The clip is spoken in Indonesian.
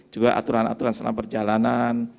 juga aturan aturan selama perjalanan